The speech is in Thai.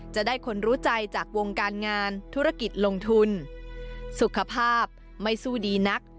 จะได้คนรู้ใจจากวงการงานธุรกิจลงทุนสุขภาพไม่สู้ดีนัก